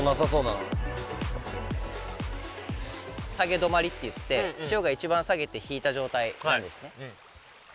下げ止まりっていって潮が一番下げて引いた状態なんですね。